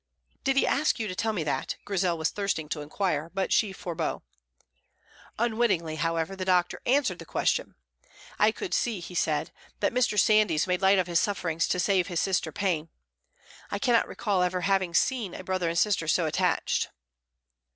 "Did he ask you to tell me that?" Grizel was thirsting to inquire, but she forbore. Unwittingly, however, the doctor answered the question. "I could see," he said, "that Mr. Sandys made light of his sufferings to save his sister pain. I cannot recall ever having seen a brother and sister so attached."